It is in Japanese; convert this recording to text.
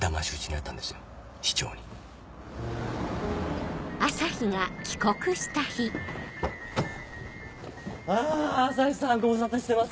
あ朝陽さんご無沙汰してます。